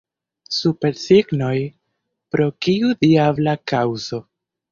Supersignoj, pro kiu diabla kaŭzo?